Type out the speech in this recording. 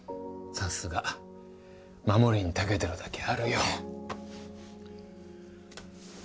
さすが守りに長けてるだけあるよ。